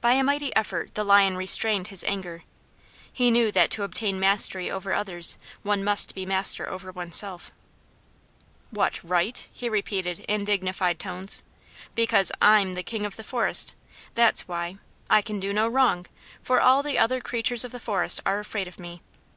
By a mighty effort the Lion restrained his anger he knew that to obtain mastery over others one must be master over oneself. "What right?" he repeated in dignified tones. "Because I'm King of the Forest. That's why. I can do no wrong, for all the other creatures of the forest are afraid of me.